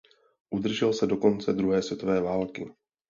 Udržel se do konce druhé světové války.